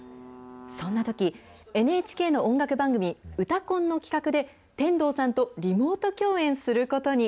そんなとき、ＮＨＫの音楽番組、うたコンの企画で、天童さんとリモート共演することに。